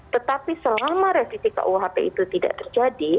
tetapi selama revisi kuhp itu tidak terjadi